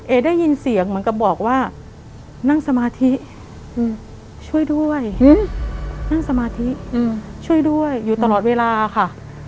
ได้ยินเสียงเหมือนกับบอกว่านั่งสมาธิช่วยด้วยนั่งสมาธิช่วยด้วยอยู่ตลอดเวลาค่ะ